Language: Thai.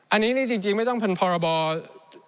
อันนี้นี่จริงไม่ต้องหลั่งปรบใช้ปรบก็ได้นะครับ